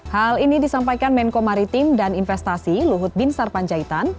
hal ini disampaikan menko maritim dan investasi luhut bin sarpanjaitan